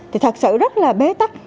thì thật sự rất là bế tắc